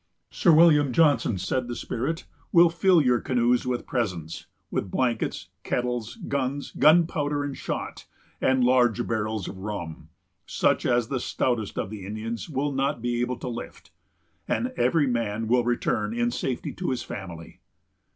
"Sir William Johnson," said the spirit, "will fill your canoes with presents; with blankets, kettles, guns, gunpowder and shot; and large barrels of rum, such as the stoutest of the Indians will not be able to lift; and every man will return in safety to his family."